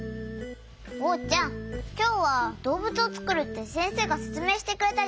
おうちゃんきょうはどうぶつをつくるってせんせいがせつめいしてくれたじゃない。